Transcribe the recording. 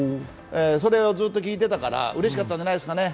それをずっと聞いてたから、うれしかったんじゃないでしょうかね。